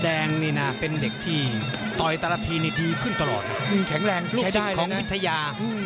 แดงนี่น่ะเป็นเด็กที่ต่อยตลาดทีนี่ดีขึ้นตลอดอืมแข็งแรงใช้ได้ลูกศิลป์ของวิทยา